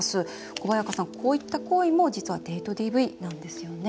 小早川さん、こういった行為も実はデートＤＶなんですよね。